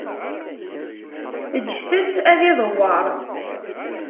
Ǧǧet-tt ad idewwer.